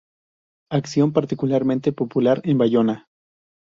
Acción particularmente popular en Bayona.